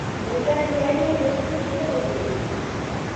که لیکنه معیاري نه وي، لوستونکي یې نه پوهېږي.